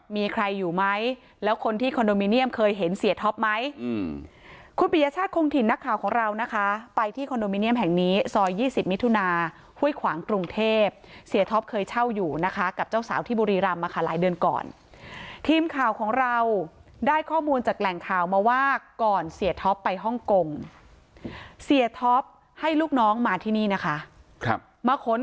มีใครอยู่ไหมแล้วคนที่คอนโดมิเนียมเคยเห็นเสียท็อปไหมคุณปิยชาติคงถิ่นนักข่าวของเรานะคะไปที่คอนโดมิเนียมแห่งนี้ซอย๒๐มิถุนาห้วยขวางกรุงเทพเสียท็อปเคยเช่าอยู่นะคะกับเจ้าสาวที่บุรีรำมาค่ะหลายเดือนก่อนทีมข่าวของเราได้ข้อมูลจากแหล่งข่าวมาว่าก่อนเสียท็อปไปฮ่องกงเสียท็อปให้ลูกน้องมาที่นี่นะคะครับมาค้น